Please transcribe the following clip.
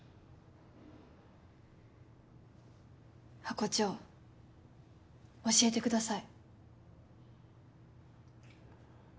ハコ長教えてください。